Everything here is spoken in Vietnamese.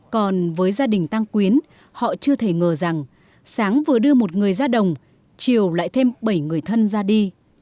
còn với gia đình tăng quyến họ chưa thể ngờ rằng sáng vừa đưa một người ra đồng chiều lại thêm bảy người thân ra đi